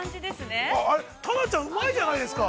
タナちゃん、うまいじゃないですか！